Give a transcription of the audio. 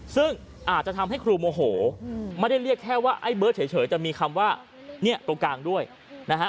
ซึ่งอาจจะทำให้ครูโมโหไม่ได้เรียกแค่ว่าไอ้เบิร์ตเฉยจะมีคำว่าเนี่ยตรงกลางด้วยนะฮะ